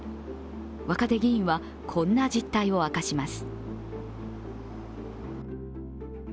若手議員はこんな実態を明かします。